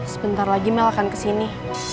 sebentar lagi mel akan kesini